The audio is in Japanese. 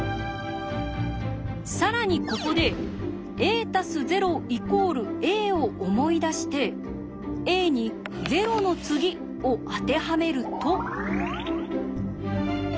更にここで「ａ＋０＝ａ」を思い出して「ａ」に「０の次」を当てはめると。